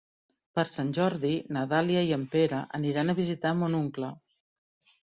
Per Sant Jordi na Dàlia i en Pere aniran a visitar mon oncle.